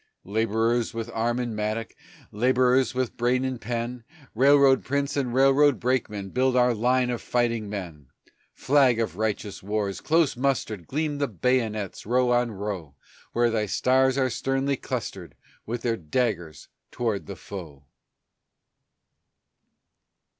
Laborers with arm and mattock, Laborers with brain and pen, Railroad prince and railroad brakeman Build our line of fighting men. Flag of righteous wars! close mustered Gleam the bayonets, row on row, Where thy stars are sternly clustered, With their daggers towards the foe!